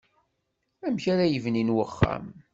Amk ara yibnin uxxam.